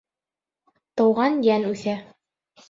Тыуған йән үҫә.